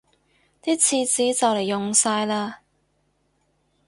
啲廁紙就黎用晒喇